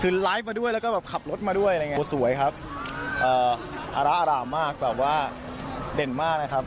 คือไลฟ์มาด้วยแล้วก็ขับรถมาด้วยสวยครับอร่ามากแบบว่าเด่นมากนะครับ